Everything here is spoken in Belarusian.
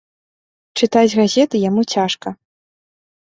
Чытаць газеты яму цяжка.